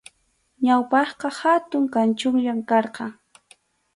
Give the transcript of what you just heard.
Ñawpaqqa hatun kanchunllam karqan.